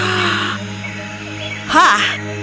dia tidak bisa berpikir pikir